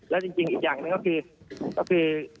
แล้วจริงอีกอย่างหนึ่งก็คือ